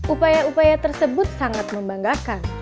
upaya upaya tersebut sangat membanggakan